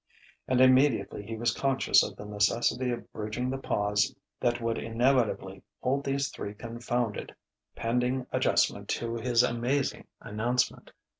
And immediately he was conscious of the necessity of bridging the pause that would inevitably hold these three confounded, pending adjustment to his amazing announcement.